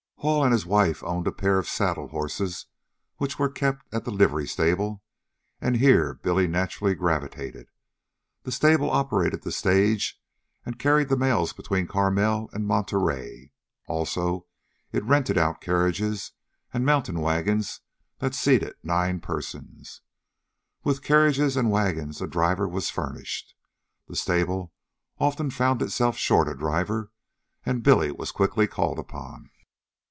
Hall and his wife owned a pair of saddle horses which were kept at the livery stable, and here Billy naturally gravitated. The stable operated the stage and carried the mails between Carmel and Monterey. Also, it rented out carriages and mountain wagons that seated nine persons. With carriages and wagons a driver was furnished. The stable often found itself short a driver, and Billy was quickly called upon.